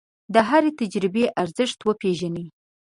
د هرې تجربې ارزښت وپېژنئ.